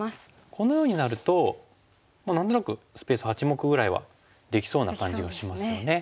このようになると何となくスペース８目ぐらいはできそうな感じがしますよね。